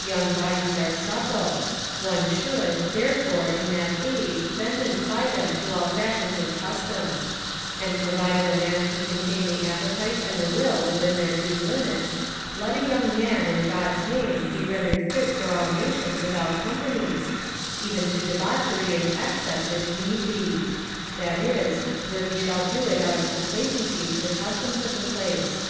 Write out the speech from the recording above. Young bodies are supple; one should, therefore, in that age bend and ply them to all fashions and customs: and provided a man can contain the appetite and the will within their due limits, let a young man, in God's name, be rendered fit for all nations and all companies, even to debauchery and excess, if need be; that is, where he shall do it out of complacency to the customs of the place.